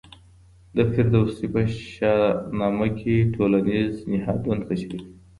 د فردوسي په شاه نامه کې ټولنیز نهادونه تشریح کوي.